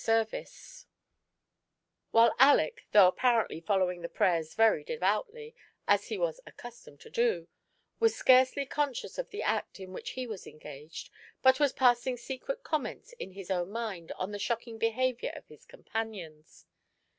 service ; while Aleck, though apparently following the prayers very devoutly, as he was accristomed to do, was scarcely conscious of the act in which he was engaged, but was passing secret comments in liia own mind on the shocking behaviour of his companions.